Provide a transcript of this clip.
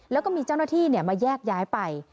แล้วก็มีเจ้าหน้าที่มาแยกย้ายไป